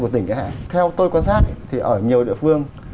theo tôi quan sát thì ở nhiều địa phương